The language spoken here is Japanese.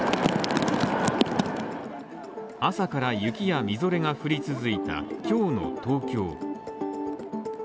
朝から雪やみぞれが降り続いた今日の東京。